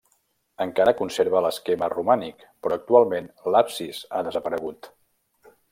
Encara conserva l'esquema romànic però actualment l'absis ha desaparegut.